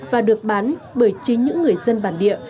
và được bán bởi chính những người dân bản địa